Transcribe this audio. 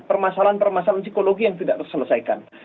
permasalahan permasalahan psikologi yang tidak terselesaikan